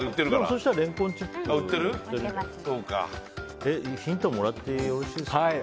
そうしたらレンコンチップもヒントもらってよろしいですか。